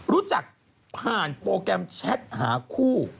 รู้จักผ่านโปรแกรมแชทหาคู่